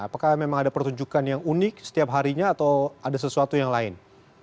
apakah memang ada pertunjukan yang unik setiap harinya atau ada sesuatu yang lain